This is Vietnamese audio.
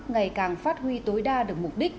ngày càng phát huy tối đa được mục đích